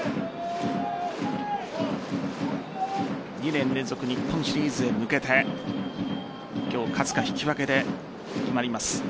２年連続日本シリーズへ向けて今日勝つか引き分けで決まります。